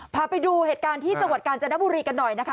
พาไปดูเหตุการณ์ที่จังหวัดกาญจนบุรีกันหน่อยนะคะ